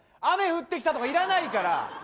雨降ってきたとかいらないから。